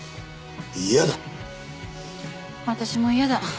私も嫌だ。